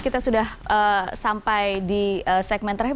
kita sudah sampai di segmen terakhir